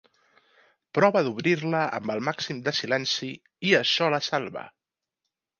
Prova d'obrir-la amb el màxim de silenci i això la salva.